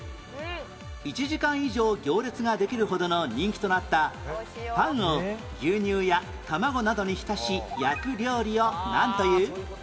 １時間以上行列ができるほどの人気となったパンを牛乳や卵などに浸し焼く料理をなんという？